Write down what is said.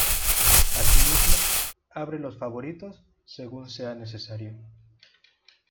Asimismo, abre los favoritos, según sea necesario.